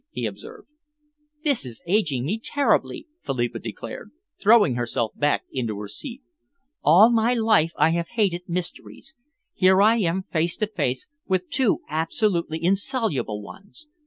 he observed. "This is aging me terribly," Philippa declared, throwing herself back into her seat. "All my life I have hated mysteries. Here I am face to face with two absolutely insoluble ones.